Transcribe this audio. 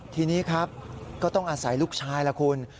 ทีนี้ครับก็ต้องอาศัยลูกชายล่ะคุณ